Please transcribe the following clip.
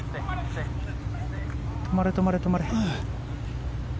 止まれ、止まれ、止まれ。